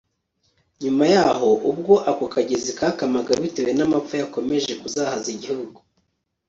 Nyuma yaho ubwo ako kagezi kakamaga bitewe namapfa yakomeje kuzahaza igihugu